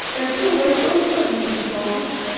Ker chupoit, tos kwer pusit koput.